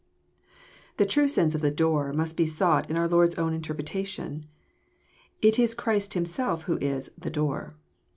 The true sense of the ''door" must be sought in our Lord's own interpretation. It is Christ Himself who is *' the door."